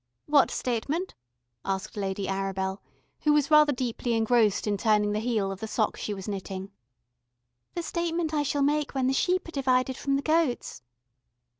"What statement?" asked Lady Arabel, who was rather deeply engrossed in turning the heel of the sock she was knitting. "The statement I shall make when the sheep are divided from the goats."